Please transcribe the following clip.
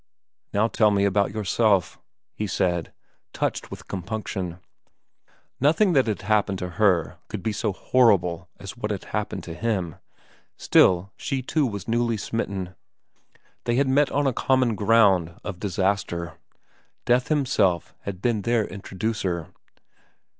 ' Now tell me about yourself,' he said, touched with compunction ; nothing that had happened to her could be so horrible as what had happened to him, still she too was newly smitten, they had met on a common ground of disaster, Death himself had been their introducer.